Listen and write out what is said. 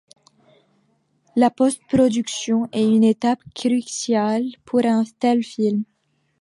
La post-production est une étape cruciale pour un tel film.